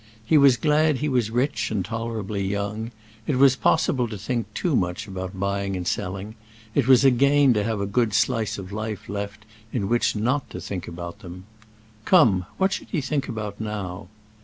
He was glad he was rich and tolerably young; if it was possible to think too much about buying and selling, it was a gain to have a good slice of life left in which not to think about them. Come, what should he think about now?